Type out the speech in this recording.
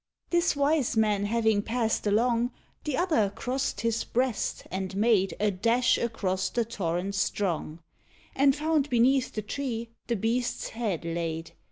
This wise man having passed along, The other crossed his breast, and made A dash across the torrent strong, And found beneath the tree the beast's head laid.